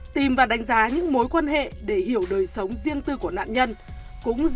tìm và đánh giá những mối quan hệ để hiểu đời sống riêng tư của nạn nhân